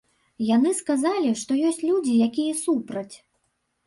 Яны сказалі, што ёсць людзі, якія супраць.